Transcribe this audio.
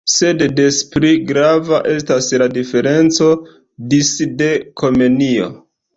Sed des pli grava estas la diferenco disde Komenio.